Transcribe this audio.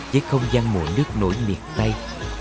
với không gian mùa nước nổi miệt tây